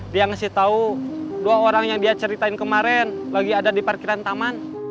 dia ngasih tahu dua orang yang dia ceritain kemarin lagi ada di parkiran taman